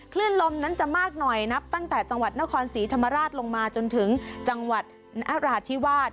คลื่นลมนั้นจะมากหน่อยนับตั้งแต่จังหวัดนครศรีธรรมราชลงมาจนถึงจังหวัดนราธิวาส